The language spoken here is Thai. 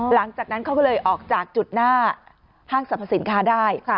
หลังจากนั้นเขาก็เลยออกจากจุดหน้าห้างสรรพสินค้าได้